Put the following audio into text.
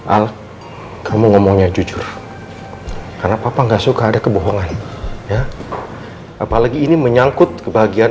al kamu ngomongnya jujur karena papa enggak suka ada kebohongan ya apalagi ini menyangkut kebahagiaan